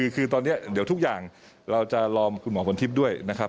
คือตอนนี้เดี๋ยวทุกอย่างเราจะรอคุณหมอผลทิพย์ด้วยนะครับ